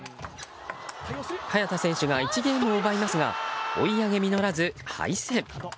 早田選手が１ゲームを奪いますが追い上げ実らず敗戦。